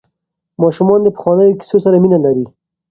ماشومان د پخوانیو کیسو سره مینه لري.